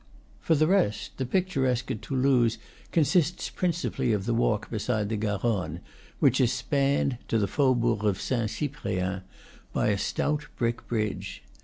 For the rest, the picturesque at Toulouse consists principally of the walk beside the Garonne, which is spanned, to the faubourg of Saint Cyprien, by a stout brick bridge.